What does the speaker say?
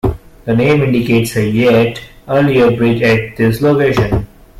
The name indicates a yet earlier bridge at this location.